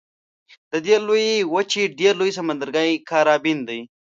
د دې لویې وچې ډېر لوی سمندرګی کارابین دی.